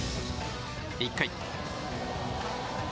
１回。